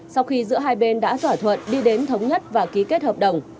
sau khi giữa hai bên đã thỏa thuận đi đến thống nhất và ký kết hợp đồng